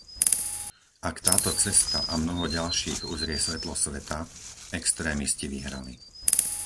Ak táto cesta a mnoho ďalších uzrie svetlo sveta, extrémisti vyhrali.